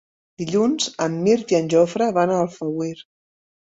Dilluns en Mirt i en Jofre van a Alfauir.